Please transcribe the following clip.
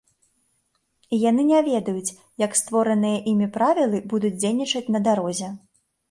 І яны не ведаюць, як створаныя імі правілы будуць дзейнічаць на дарозе.